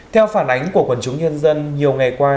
theo phản ánh của quần chúng nhân dân nhiều ngày qua